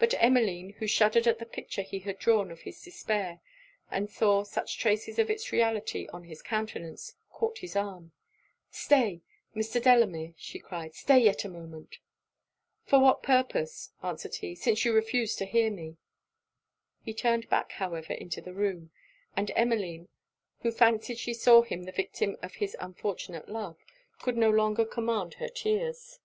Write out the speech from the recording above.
But Emmeline, who shuddered at the picture he had drawn of his despair, and saw such traces of its reality on his countenance, caught his arm. 'Stay! Mr. Delamere,' cried she, 'stay yet a moment!' 'For what purpose?' answered he, 'since you refuse to hear me?' He turned back, however, into the room; and Emmeline, who fancied she saw him the victim of his unfortunate love, could no longer command her tears.